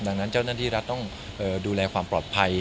ดังนั้นเจ้าหน้าที่รัฐต้องดูแลความปลอดภัย